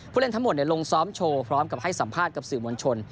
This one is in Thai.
เล่นทั้งหมดลงซ้อมโชว์พร้อมกับให้สัมภาษณ์กับสื่อมวลชน